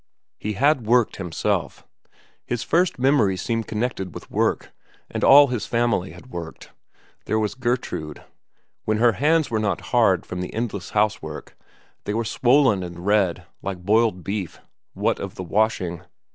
He had worked himself; his first memories seemed connected with work, and all his family had worked. There was Gertrude. When her hands were not hard from the endless housework, they were swollen and red like boiled beef, what of the washing.